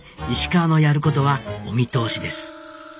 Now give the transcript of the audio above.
石川のやることはお見通しです